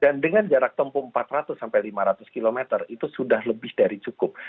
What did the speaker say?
dan dengan jarak tempuh empat ratus sampai lima ratus km itu sudah lebih dari cukup